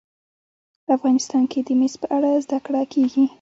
افغانستان کې د مس په اړه زده کړه کېږي.